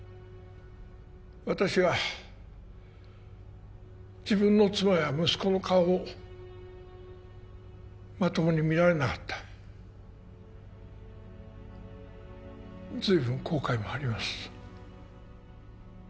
私は自分の妻や息子の顔をまともに見られなかったずいぶん後悔もあります